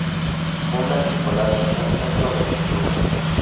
Funda en su palacio un centro de cultura.